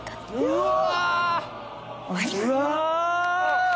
うわ！